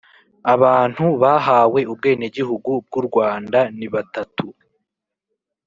Abantu bahawe Ubwenegihugu bw’ u Rwanda nibatatu